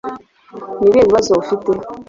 Ni ibihe bibazo ufite